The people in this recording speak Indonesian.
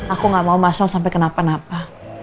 aku gak mau masal sampai kenapa napa